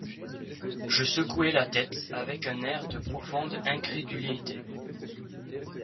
Je secouai la tête avec un air de profonde incrédulité.